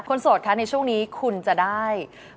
โสดคะในช่วงนี้คุณจะได้